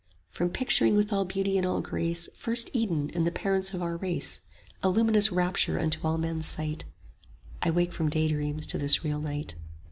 40 From picturing with all beauty and all grace First Eden and the parents of our race, A luminous rapture unto all men's sight: I wake from daydreams to this real night.